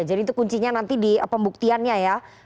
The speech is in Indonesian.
itu kuncinya nanti di pembuktiannya ya